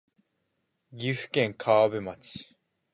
岐阜県川辺町